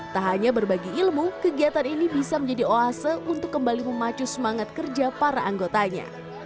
tak hanya berbagi ilmu kegiatan ini bisa menjadi oase untuk kembali memacu semangat kerja para anggotanya